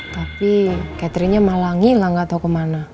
tapi catherinenya malah ngilang gak tau kemana